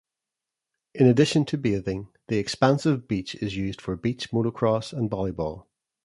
In addition to bathing, the expansive beach is used for beach motocross and volleyball.